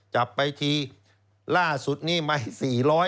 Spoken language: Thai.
จับไปทีล่าสุดนี้ไม่๔๐๐